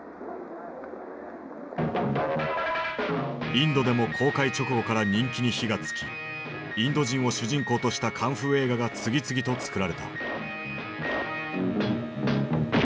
インドでも公開直後から人気に火がつきインド人を主人公としたカンフー映画が次々と作られた。